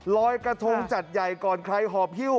รอยกระทงจัดใหญ่ก่อนใครหอบฮิ้ว